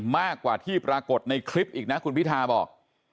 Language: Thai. มากกว่าที่ปรากฏในคลิปอีกนะคุณพิทาบอก